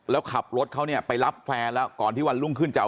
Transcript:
แล้วขับรถเขาเนี่ยไปรับแฟนแล้วก่อนที่วันรุ่งขึ้นจะเอา